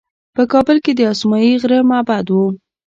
په کابل کې د اسمايي غره معبد و